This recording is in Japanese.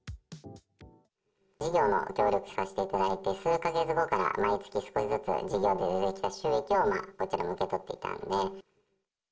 事業に協力させていただいて、数か月後から毎月少しずつ、事業で出てきた収益をこちらも受け取っていたので。